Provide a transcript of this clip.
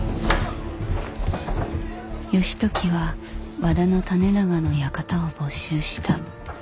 義時は和田胤長の館を没収した。